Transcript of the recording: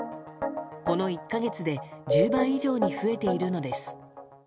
この１か月で１０倍以上に増えているのです。